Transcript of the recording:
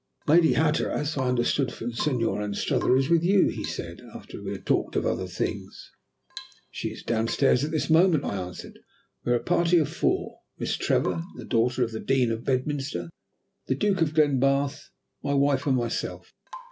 "Lady Hatteras, I understood from Senor Anstruther, is with you," he said, after we had talked of other things. "She is down stairs at this moment," I answered. "We are a party of four Miss Trevor (the daughter of the Dean of Bedminster), the Duke of Glenbarth, my wife, and myself.